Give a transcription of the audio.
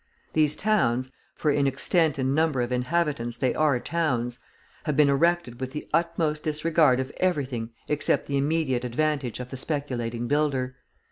These towns, for in extent and number of inhabitants they are towns, have been erected with the utmost disregard of everything except the immediate advantage of the speculating builder.